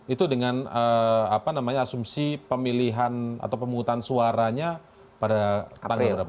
itu dengan asumsi pemilihan atau pemungutan suaranya pada tanggal berapa